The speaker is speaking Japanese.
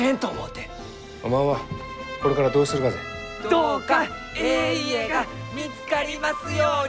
どうかえい家が見つかりますように！